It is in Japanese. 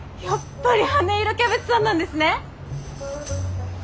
やっぱり羽色キャベツさんなんですね！